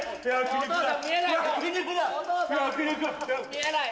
見えない。